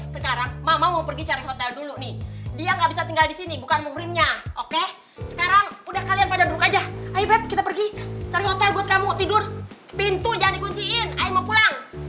sekarang mama mau pergi cari hotel dulu nih dia gak bisa tinggal disini bukan muhrimnya oke sekarang udah kalian pada duduk aja ayo babe kita pergi cari hotel buat kamu tidur pintu jangan di kunciin ayo mau pulang